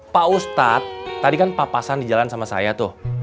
pak ustadz tadi kan papasan di jalan sama saya tuh